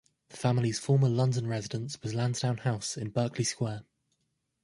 The family's former London residence was Lansdowne House in Berkeley Square.